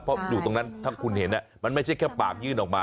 เพราะอยู่ตรงนั้นถ้าคุณเห็นมันไม่ใช่แค่ปากยื่นออกมา